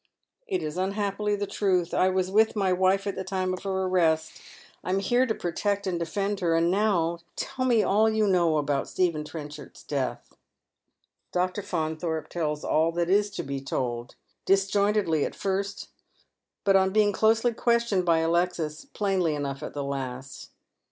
" It is unhappily the ti'uth. I was with my wife at the time of her arrest. I am here to protect and defend her. And now tell me all you know about Stephen Trenchard's death." Dr. Faunthorpe tells all that is to be told — disjointedly at first, Dut on being closely questioned by Alexis, plainly enough at the last.